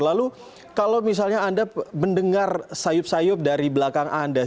lalu kalau misalnya anda mendengar sayup sayup dari belakang anda